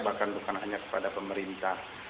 bahkan bukan hanya kepada pemerintah